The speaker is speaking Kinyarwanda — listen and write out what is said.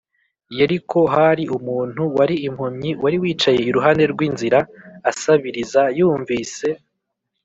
Yeriko hari umuntu wari impumyi wari wicaye iruhande rw inzira asabiriza Yumvise